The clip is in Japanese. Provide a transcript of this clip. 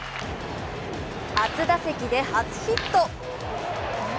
初打席で初ヒット。